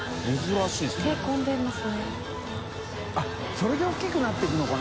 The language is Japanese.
それで大きくなっていくのかな？